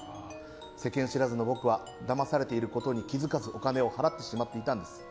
世間知らずの僕はだまされていることに気づかずお金を払ってしまっていたんです。